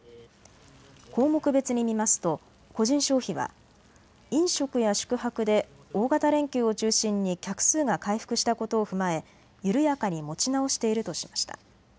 項目別に見ますと個人消費は飲食や宿泊で大型連休を中心に客数が回復したことを踏まえ緩やかに持ち直しているとしました。